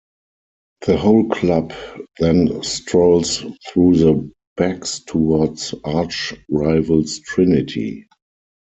The whole club then strolls through the backs towards arch-rivals Trinity.